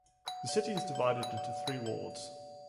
The city is divided into three wards.